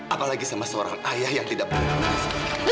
apalagi sama seorang ayah yang tidak berpikir